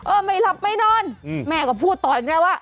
เออไม่หลับไม่นอนแม่ก็พูดต่ออย่างนี้ว่า